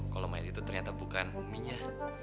kalau mayat itu ternyata bukan minyak